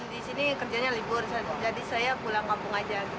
di sini kerjanya libur jadi saya pulang kampung aja